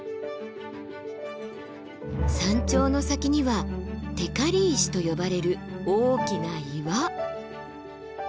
山頂の先には光石と呼ばれる大きな岩。